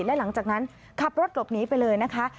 และหลังจากนั้นขับรถหลบหนีไปเลยนะคะ